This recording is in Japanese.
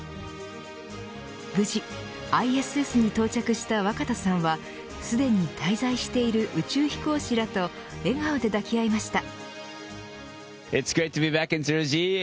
無事ＩＳＳに到着した若田さんはすでに滞在している宇宙飛行士らと笑顔で抱き合いました。